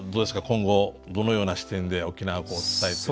今後どのような視点で沖縄をこう伝えて。